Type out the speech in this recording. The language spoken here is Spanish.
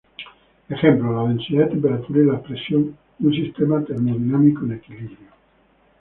Ejemplos: la densidad, la temperatura y la presión de un sistema termodinámico en equilibrio.